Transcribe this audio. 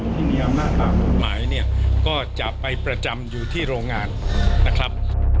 ที่มีอำนาจตามกฎหมายเนี่ยก็จะไปประจำอยู่ที่โรงงานนะครับ